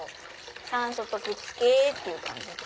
酸素とくっつけっていう感じ。